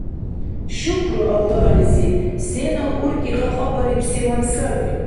Шукру Аллагьлизи, сенал уркӀи кьакьабарибсиван саби…